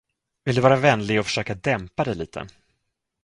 Vill du vara vänlig och försöka dämpa dig lite?